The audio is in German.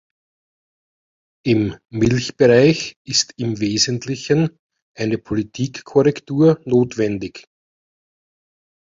Im Milchbereich ist im Wesentlichen eine Politikkorrektur notwendig.